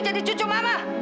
jadi cucu mama